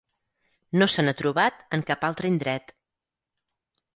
No se n'ha trobat en cap altre indret.